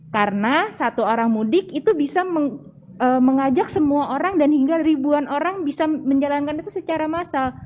karena satu orang mudik itu bisa mengajak semua orang dan hingga ribuan orang bisa menjalankan itu secara massal